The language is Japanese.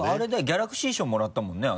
ギャラクシー賞もらったもんね